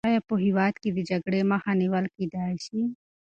آیا په هېواد کې د جګړې مخه نیول کېدای سي؟